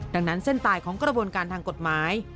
ดังนั้นเส้นตายของกระบวนการทางกฎหมาย